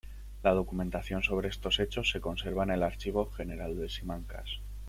La documentación sobre estos hechos se conserva en el Archivo General de Simancas.